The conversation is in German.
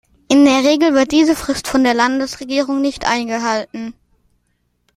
In der Regel wird diese Frist von der Landesregierung nicht eingehalten.